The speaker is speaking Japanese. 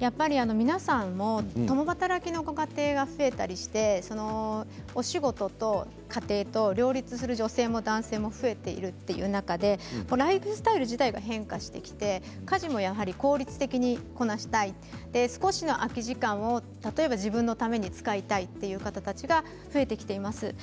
やっぱり皆さんも共働きのご家庭が増えたりしてお仕事と家庭と両立する女性も男性も増えているという中でライフスタイル自体が変化してきて家事もやはり効率的にこなしたい少しの空き時間も例えば自分のために使いたいという方たちが増えてきています。